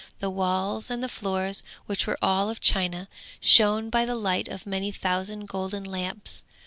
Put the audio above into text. The walls and the floors, which were all of china, shone by the light of many thousand golden lamps.